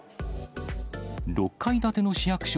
６階建ての市役所